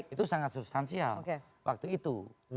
itu sangat substansial waktu itu